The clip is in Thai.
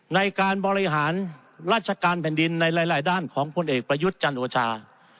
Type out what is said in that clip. ในการบริหารราชการแผ่นดินในหลายด้านของพลเอกประยุทธ์จันโอชา